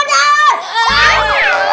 aduh aduh aduh